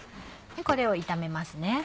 これを炒めますね。